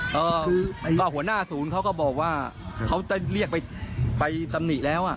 ก็ก็หัวหน้าศูนย์เขาก็บอกว่าเขาเรียกไปไปตำหนี่แล้วอ่ะ